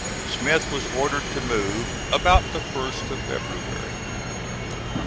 Smith was ordered to move about the 1st of February.